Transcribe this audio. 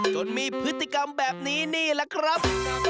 จนมีพฤติกรรมแบบนี้นี่แหละครับ